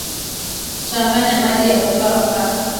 changanya maji na unga wa ngano